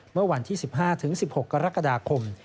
เมื่อวันที่๑๕๑๖กรกฎาคม